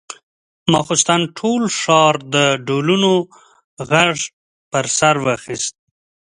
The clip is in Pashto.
ماخستن ټول ښار د ډولونو غږ پر سر واخيست.